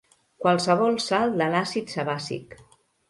Qualsevol sal de l'àcid sebàcic.